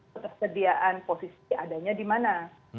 ketersediaan posisi adanya di mana